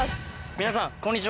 皆さんこんにちは。